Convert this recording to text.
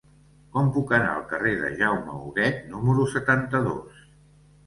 Com puc anar al carrer de Jaume Huguet número setanta-dos?